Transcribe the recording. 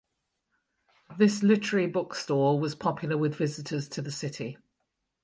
This literary bookstore was popular with visitors to the city.